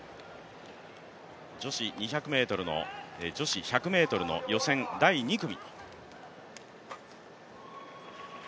女子１００ｍの予選第２組。